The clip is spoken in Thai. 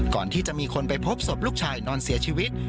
ก่อนที่จะมีคนไปพบศพลูกชายนอนเสียชีวิต